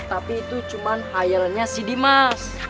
tapi itu cuma highlnya si dimas